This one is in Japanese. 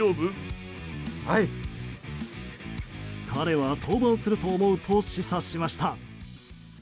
彼は登板すると思うと示唆しました。